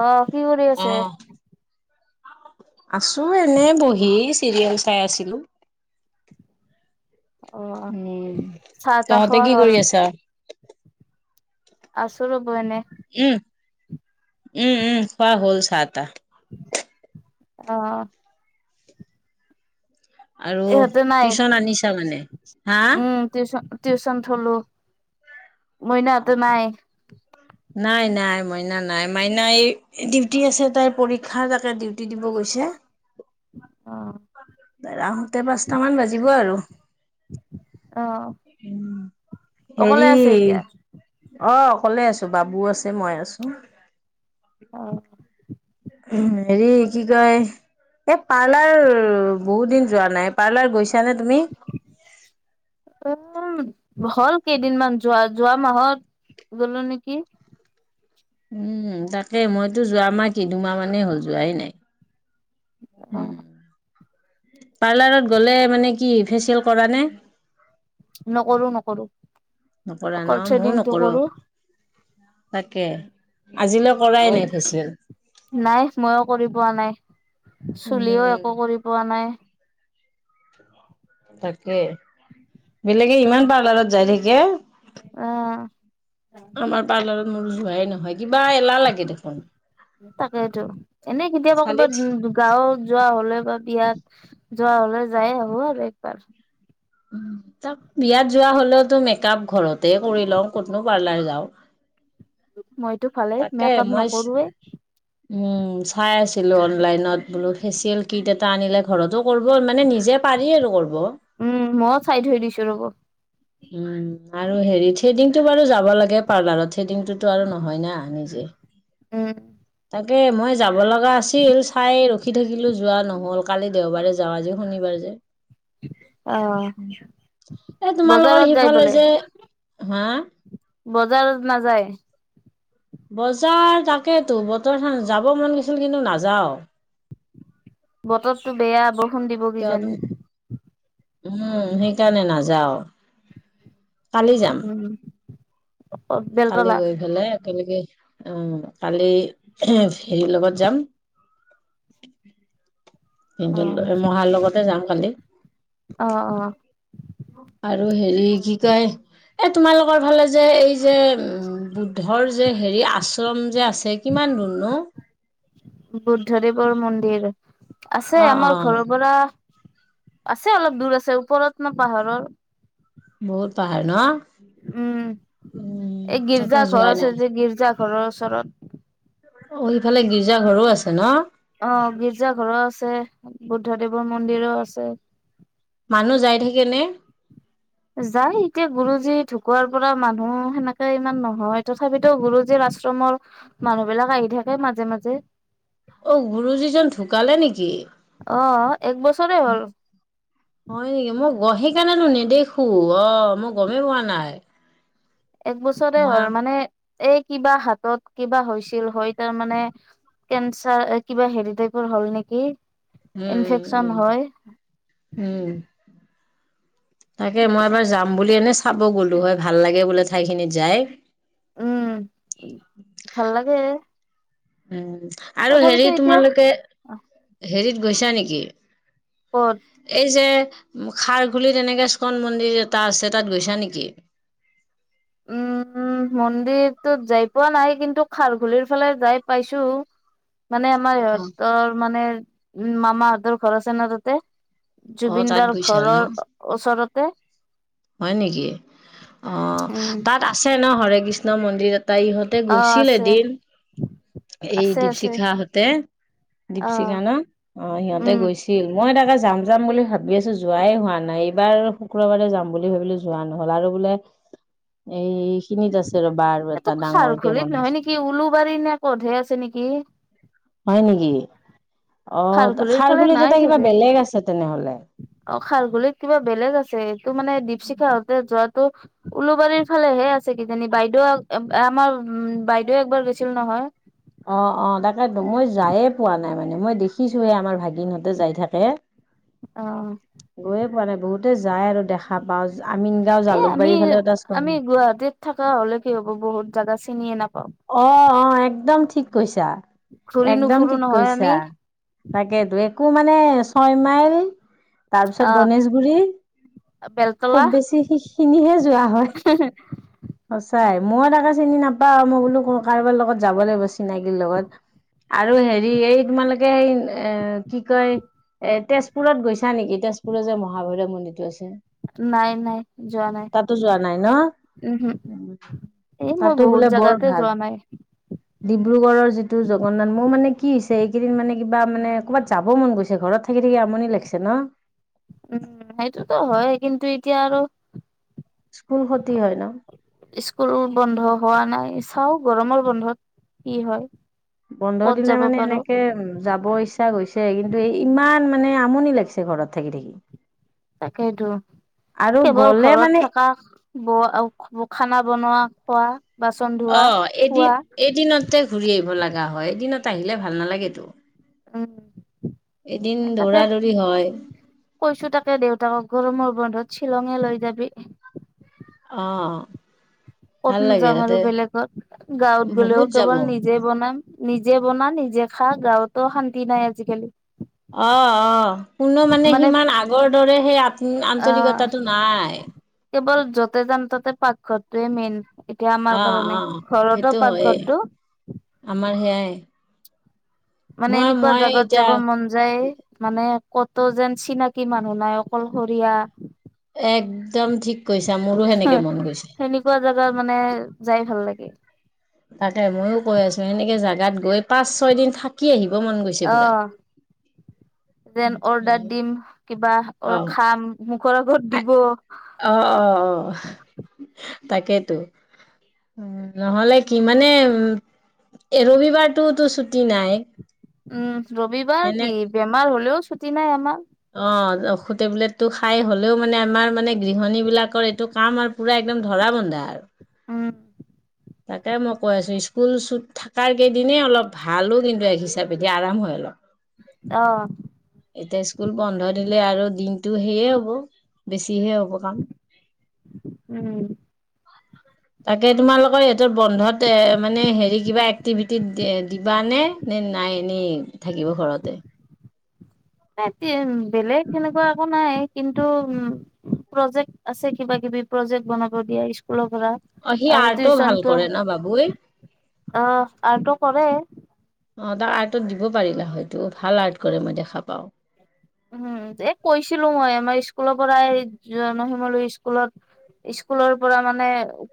অহ কি কৰি আছে? আছোঁ এনেই বহি। চিৰিয়েল চাই আছিলো। অ উম, চাহ তাহ তহঁতে খোৱা কি হ'ল কৰি আছা? আছো ৰ'ব এনে। উম উম উম খোৱা হ'ল চাহ-তাহ। অহ। আৰু ইহঁতে নাই টিউচন আনিছা মানে? হা উম টিউচন টিউচন থলোঁ। মইনাহঁতে নাই? নাই নাই মইনা নাই মাইনা এই ডিউটি আছে, তাইৰ পৰীক্ষা তাকে ডিউটি দিব গৈছে। অ তাইৰ আহোঁতে পাঁচটা মান বাজিব আৰু। অ অকলে হেৰি আছে এতিয়া অ অকলে আছো বাবু আছে মই আছোঁ অ হেৰি কি কয় এই পাৰ্লাৰ বহুত দিন যোৱা নাই পাৰ্লাৰ গৈছ নে [unintelligible] হ'ল কেইদিনমান যোৱা যোৱা মাহত গলো নেকি উম তাকে মইতো যোৱা মাহ কি দুমাহ মানেই হ'ল যোৱাই নাই অ উম পাৰ্লাৰত গ'লে মানে কি ফেচিয়েল কৰা নে নকৰো নকৰো নকৰা ন অকল ময়ো থ্ৰেডিংটো নকৰো কৰো তাকে আজিলৈ কৰাই নাই ফেচিয়েল নাই মইয়ো কৰি পোৱা নাই চুলিও উম, একো কৰি পোৱা নাই তাকে বেলেগ ইমাপ পাৰলাৰত যাই থাকে এ অ পাৰ্লাৰত মোৰ যোৱাই নহয় কিবা এলাহ লাগে দেখোন। তাকেইেতো এনে কেতিয়াবা খালি কবাত গাঁৱত যোৱা হলে বা বিয়াত যোৱা হলে যায় আহো আৰু। [unintelligible] উম, তাক বিয়াত যোৱা হলেওতো মেক আপ ঘৰতে কৰি লওঁ কতনো পাৰ্লাৰ যাওঁ। মইতো ভালে তাকে মেকআপ মই নকৰোৱে উম চাই আছিলো অনলাইনত বোলো ফেচিয়েল কিট এটা আনিলে ঘৰতো কৰিব মানে নিজে পাৰি আৰু কৰিব। উম মইও চাই থৈ দিছো ৰব। উম আৰু হেৰি থ্ৰেডিংটো বাৰু যাব লাগে পাৰ্লাৰত থ্ৰেডিংটোতো আৰু নহয় না নিজে। উম। তাকে মই যাব লগা আছিল চাই ৰখি থাকিলো যোৱা নহল কালি দেওবাৰে যাওঁ আজি শনিবাৰ যে। এই তোমালোকৰ বজাৰত যাই সিফালে বোলে যে হা বজাৰত নাযায়? বজাৰ তাকেইেতো বতৰ খান যাব মন গৈছিল কিন্তু নাযাও। বতৰতো বেয়া হব [unintelligible] কিয় কিজানি। উম, সেইকাৰণে নাযাওঁ। কালি যাম। কালি বেলতলা গৈ ফেলে একেলগে উম কালি হেৰি লগত যাম অ মহাৰ লগতে যাম কালি। অ আৰু হেৰি কি কয় এ তোমালোকৰ ফালে যে এই যে উম বুদ্ধৰ যে হেৰি আশ্ৰম যে আ আছে কিমান দূৰনো? বুদ্ধদেৱৰ মন্দিৰ আছে অ অ আমাৰ ঘৰৰ পৰা আছে অলপ দূৰ আছে ওপৰত ন পাহাৰৰ বহুত পাহাৰ ন? উম উম এই তাকে গিৰ্জা ঘৰ যোৱাই আছে নাই যে গিৰ্জা ঘৰৰ ওচৰত অ সিফালে গীৰ্জা ঘৰো আছে ন? অ', গীৰ্জা ঘৰো আছে বুদ্ধদেৱৰ মন্দিৰো আছে। মানুহ যায় থাকে নে? ঢুকোৱাৰ পৰা মানুহ সেনেকে ইমান নহয় তথাপিতো গুৰুজীৰ আশ্ৰমৰ মানুহ বিলাক আহি থাকে মাজে মাজে। অ', গুৰো যিজন ঢুকালে নেকি অ এক বছৰে হ'ল হয় নেকি মোক অ', সেইকাৰণেতো নেদেখো অ', মই গমেই পোৱা নাই। এক বছৰে মই হ'ল মানে এই কিবা হাতত কিবা হৈছিল হয়, তাৰ মানে কেঞ্চাৰ কিবা হেৰি টাইপৰ হ'ল নেকি? উম, উম, ইনফেকচন উম, হয় উম তাকে মই এবাৰ যাম বুলি এনে চাব গ'লো হয়, ভাল লাগে বোলে ঠাই খিনিত যায়। উম, ভাল লাগে। উম। আৰু হেৰি তথাপিতো এতিয়া তোমালোকে হেৰিত গৈছা নেকি? ক'ত এই যে খাৰঘুলিত তেনেকে ষ্ট'ন মন্দিৰ এটা আছে তাত গৈছা নেকি? উম মন্দিৰটোত যাই পোৱা নাই, কিন্তু খাৰঘুলিৰ ফালে যাই পাইছো। মানে আমাৰ সিহঁতৰ মানে উম মামাহঁতৰ ঘৰ আছে ন তাতে অ তাত জুবিনদাৰ গৈছা ঘৰৰ ন ওচৰত তে হয় নেকি অ তাত আছে ন হৰে কৃষ্ণ মন্দিৰ তাই ইহঁতে অ গৈছিল আছে এদিন এই আছে আছে দীপশিখা হতে অ দীপশিখা ন অ' সিহঁতে উম গৈছিল মই তাক যাম যাম বুলি ভাবি আছো যোৱাই হোৱা নাই এইবাৰ শুক্ৰবাৰে যাম বুলি ভাবিলো যোৱা নহল আৰু বোলে এই এইটো খাৰ ঘুলিত নহয় বনাইছে নেকি উওলো বাৰি নে, কধে আছে নেকি? হয় নেকি? অ খাৰঘুলিৰ ফালে খাৰঘুলিত এটা নাই কিবা চাগে বেলেগ আছে তেনেহলে অ খাৰঘুলিত কিবা বেলেগ আছে। ত মানে দিপশিখা হতে যত, ত' উওলোবাৰীৰ ফালেহে আছে কিজানি বাইদেউ আমাৰ উ বাইদেউ একবাৰ গৈছিল নহয়। অ', অ' তাকে মই যায়ে পোৱা নাই, মানে মই দেখিছোহে আমাৰ ভাগিনহ'তে যাই থাকে। অ'। মানে বহুতে যায় আৰু দেখা পাওঁ এ আমি আমি গুৱাহাটীত থকা হ'লে কি হ'ব, বহুত জাগা চিনিয়ে ন অ', অ', একদম। ঠিক কৈছে। ছা, ঘূৰি একদম নুফুৰো ঠিক নহয় আমি কৈছা, তাকেতো একো মা মানে ছয় মাইল তাৰ পিছত আহ গণেশগুৰী খুব বেলতলা বেছি সিখিনিহে যোৱা হয়। সঁচাই মই তাকে চিনি নাপাও, মই বোলো কাৰোবাৰ লগত যাব লাগিব চিনাকিৰ লগত, আৰু হেৰি এই তোমালোকে এই এ কি কয় এ তেজপুৰত গৈছা নেকি, তেজপুৰৰ যে মহাভৈৰৱ মন্দিৰটো আছে। নাই নাই যোৱা নাই। তাতো যোৱা নাই ন উম হুম, এই মই তাতো বহুত বোলে বৰ জাগাতে ভাল যোৱা নাই। ডিব্ৰুগড়ৰ যিটো জগন্নাথ, মোৰ মানে কি হৈছে এইকেইদিন মানে কিবা মানে ক'ৰবাত যাব মন গৈছে, ঘৰত থাকি থাকি আমনি লাগছি ন। উম, সেইটোতো হয় কিন্তু এতিয়া আৰ' স্কুল ক্ষতি হয় ন স্কুল বন্ধ হোৱা নাই। চাও গৰমৰ বন্ধত, কি হয়। বন্ধৰ ক'ত দিলে যাব মানে, পাৰো এনেকে যাব ইচ্ছা হৈছে কিন্তু এই ইমান মানে আমনি লাগছে ঘৰত থাকি থাকি। তাকেইেতো আৰু কেৱল গ'লে মানে ঘৰত থকা ব খানা বনোৱা, খোৱা। বাচন ধোৱা অ', এদিন, খোৱা এদিনতে ঘূৰি আহিব লাগা হয়, এদিনত আহিলে ভাল নালাগেতো, তা উম।। এ তাকে, দৌৰা দৌৰি হয় কৈছো তাকে দেউতাকক গৰমৰ বন্ধত শ্বিলঙে লৈ যাবি। অ'। ক'ত ভাল নো লাগে যাম তাতে আৰু বেলেগত, গাঁৱত গ'লেও বহুত যাব কেৱল নিজে বনাম। নিজে বনা, নিজে খা, গাঁৱতো শান্তি নাই আজিকালি। অঁ, অঁ। কোনো মানে সিমান আগৰ দৰে সেই আত, আহ আন্তৰিকতাটো নাই। কেৱল য'তে যাম ততে পাকঘৰটোৱে মেইন। এতিয়া আমাৰ অ অ কাৰণে, ঘৰতো সেইটো হয়েই পাকঘৰটো। আমাৰ [unintelligible] মানে মই এনেকুৱা মই জাগাত এতিয়া যাব মন যায়, মানে ক'তো যেন চিনাকি মানুহ নাই, অকলশৰীয়া। এক একদম ঠিক কৈছা, মোৰো সেনেকে মন গৈছে। গা মানে যাই ভাল লাগে। তাকে ময়ো কৈ আছো, সেনেকে জোগাত গৈ পাঁচ, ছয় দিন থাকি আহিম। অ' যেন অৰ্ডাৰ দিম কিবা অ অৰ খাম মুখৰ আগত। দি'ব। অ' অ' অ', তাকেতো। উম, নহ'লে কি মানে, এ ৰবিবাৰটোও টোচ ছুটী নাই। উম'। ৰবিবাৰ কি? বেমাৰ হ'লেও, ছুটী নাই আমাৰ। অঁ। অসু, টেবলেটটো খাই হ'লেও মানে আমাৰ মানে গৃহণী বিলাকৰ এইটো কাম আৰু পুৰা একদম ধৰা বন্ধা আৰু। উম। তাকে মই কৈ আছো, স্কুল চুত থাকাৰ কেইদিনে অলপ ভা ভালো কিন্তু এক হিচাপে দে, আৰাম হয় অলপ। অ এতিয়া স্কুল বন্ধ দিলে আৰু দিনটো সেয়ে হ'ব বেছি যিহে হ'ব কাম। উম তাকে তোমালোকৰ ইহঁতৰ বন্ধত এ' মানে হেৰি কিবা এক্টিভিটিত দিবানে নে নাই এনেই থাকিব ঘৰতে? ইহঁতি বেলেগ সেনেকুৱা একো নাই, কিন্তু উম প্ৰজেক্ট আছে কিবা কিবি প্ৰজেক্ট বনাব দিয়া স্কুলত। অ সি আৰু আৰ্টো ভাল টিউচনটো কৰে অহ ন বাবুই আৰ্টটো কৰে। অঁ, তাৰ আৰ্টত দিব পাৰিলা হয়তো, ভাল আৰ্ট কৰে মই দেখা পাওঁ। উহ এ' কৈছিলো মই আমাৰ স্কুলৰ পৰাই জনসিমলো স্কুলত- স্কুলৰ পৰা মানে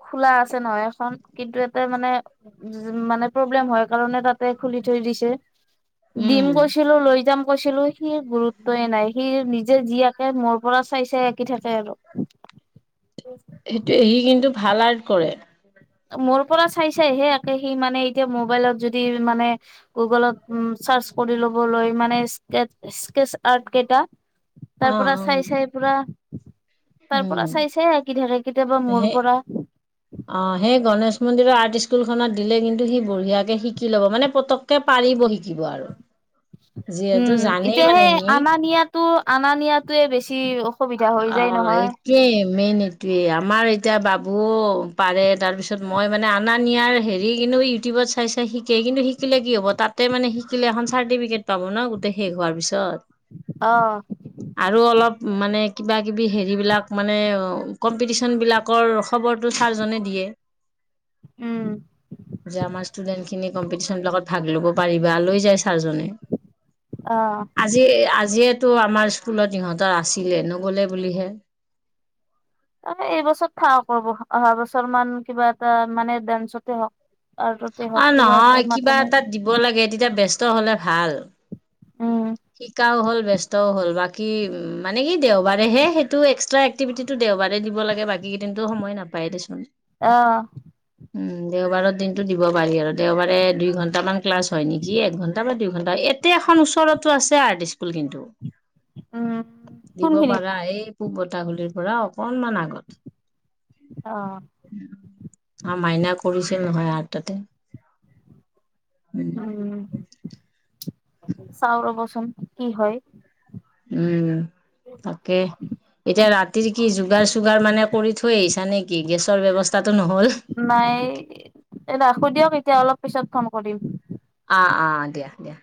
খোলা আছে নহয় এখন কিন্তু এতে মানে মানে প্ৰব্লেম হয় কাৰণে তাতে খুলি থৈ দিছে। ডিম উম গৈছিলো লৈ যাম। কৈছিলো সি গুৰুত তয়ে নাই, সি নিজে যি আঁকে মোৰ পৰা চাই - চাই আঁকি থাকে আৰু। সেইটোই, ই কিন্তু ভাল আৰ্ট কৰে। মোৰ পৰা চাই - চাইহে আকে সি মানে এতিয়া মোবাইলত যদি মানে গুগলত ও চাৰ্চ কৰি ল'বলৈ মানে স্কেট- স্কেচ আৰ্ট কেইটা। অ তাৰ পৰা চাই - অ চাই পুৰা [inaudible] তাৰ উম পৰা চাই চাইয়ে আকি থাকে কেতিয়াবা মোৰ সেই পৰা অ, হেই গণেশ মন্দিৰৰ আৰ্ট স্কুলখনত দিলে কিন্তু সি বঢ়িয়াকে শিকি ল'ব, মানে পতককে পাৰিব শিকিব আৰু যিহেতু উম, জানেই এতিয়া মানে সেই সি আনা নিয়াটো, আনা নিয়াটোয়ে বেছি অসুবিধা হৈ আ, যায় নহয় ইতিয়াই মেইন এইটোয়ে, আমাৰ এতিয়া বাবুও পাৰে তাৰ পিছত মই মানে আনা নিয়াৰ হেৰি, কিন্তু ইউটিউবত চাই চাই শিকে, কিন্তু শিকিলে কি হ'ব, তাতে মানে শিকিলে এখন চাৰ্টিফিকেট পাব ন গোটেই শেষ হোৱাৰ পিছত। অ আৰু অলপ মানে কিবা কিবি হেৰিবিলাক, মানে কম্পিটিচন বিলাকৰ খবৰটো ছাৰজনে দিয়ে। উম যে আমাৰ ষ্টুডেন্ট [unintelligible] কম্পিটিশ্যন বিলাকত ভাগ লব পাৰিবা, লৈ যাই, [unintelligible] আজিয়ে, অ আজিয়ে টো আমাৰ স্কুলত ইহঁতৰ আছে দিলে, নগলে বুলিহে। [unintelligible] এই বছৰ থাকক ৰ'ব, অহা বছৰ মান কিবা এটা মানে ডান্সতে হওঁক। অ', নহয় কিবা এটাত দিব লাগে, তেতিয়া বেচ [unintelligible] হলে ভাল। উম কি মানে কি দেওবাৰেহে সেইটো এক্সট্ৰা এক্টিভিটিটো দেওবাৰে দিব লাগে, বাকী কেইদিনটো সময় নাপায় দেচোন। অহ। উম, দেওবাৰৰ দিনটো দিব পাৰি আৰু, দেওবাৰে দুই ঘন্টামান ক্লাছ হয় নেকি, একঘণ্টা বা দুই ঘণ্টা, এতে এখন ওচৰত আছে আৰ্ট স্কুল কিন্তু। উম দিব কোনখিনিত পাৰা এই পূব বতাহগুলিৰ পৰাওঁ অকনমান আগত। অ [unintelligible] মাইনা কৰিছে নহয় আৰ্ট তাতে। উম। চাওঁ ৰ'ব। [unintelligible] কি হয়। উম, তাকে। এতিয়া ৰাতিৰ কি যোগাৰ চুগাৰ মানে কৰি থৈ আহিছা নেকি, গেছৰ ব্যৱস্থা নাই, এ, ৰাখো দিয়ক তেতিয়া, অলপ পিছত ফন কৰিম। অ' অ' দিয়া, দিয়া।